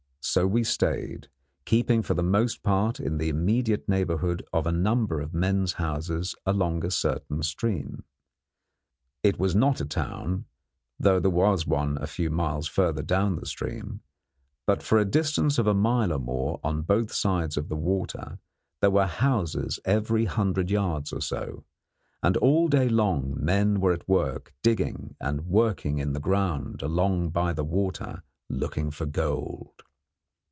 So we stayed, keeping for the most part in the immediate neighbourhood of a number of men's houses along a certain stream. It was not a town, though there was one a few miles further down the stream; but for a distance of a mile or more on both sides of the water there were houses every hundred yards or so, and all day long men were at work digging and working in the ground along by the water looking for gold.